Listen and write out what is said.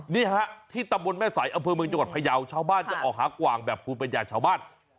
นี่ฮะที่ตำบลแม่สายอำเภอเมืองจังหวัดพยาวชาวบ้านจะออกหากว่างแบบภูมิปัญญาชาวบ้าน